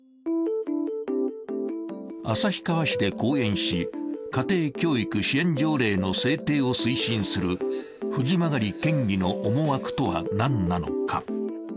旭川市で講演し、家庭教育支援条例の制定を推進する藤曲県議の思惑とは何なのか？